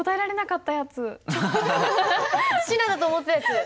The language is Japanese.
「品」だと思ったやつ。